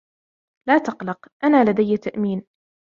لا تقلق. أنا لدي تأمين.